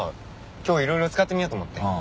今日いろいろ使ってみようと思って。